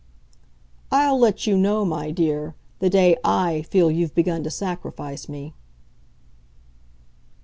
"I'll let you know, my dear, the day I feel you've begun to sacrifice me."